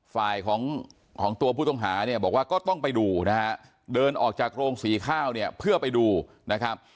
ฝ่ายของของตัวผู้ต้องหาเนี่ยบอกว่าก็ต้องไปดูนะฮะเดินออกจากโรงสีข้าวเนี่ยเพื่อไปดูนะครับ